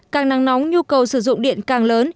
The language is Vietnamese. càng nắng nóng nhu cầu sử dụng điện càng lớn